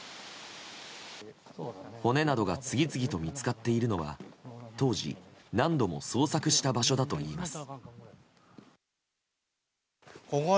骨などが次々と見つかっているのは当時、何度も捜索した場所だといいます。